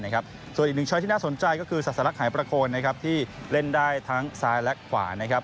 อีกท่อน่าสนใจคือสัสลักหายประโคนที่เล่นขุมทางซ้ายและขวา